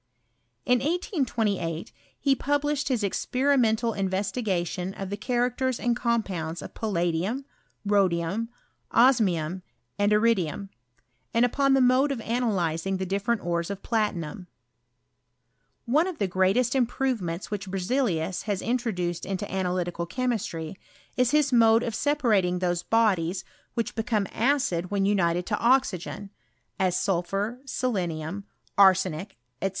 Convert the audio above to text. In 1828 ho published his experimental investi gation of the cliaractera and compounds of palla dium, rhodium, osmium, aud iridium; and upon the mode of analyzing the di£ferent_ores of platinum. One of the greatest improvemeats which Berzelius lias introduced into analytical chemistry, is his mods of separating those bodies which became acid when unitf^ to oxygen, as sulphur, selenium, arsenic, &c.